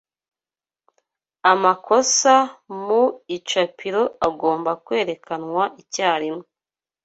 Amakosa mu icapiro agomba kwerekanwa icyarimwe.